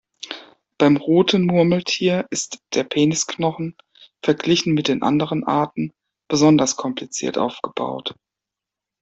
Beim Roten Murmeltier ist der Penisknochen verglichen mit den anderen Arten besonders kompliziert aufgebaut.